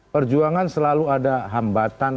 perjuangan selalu ada hambatan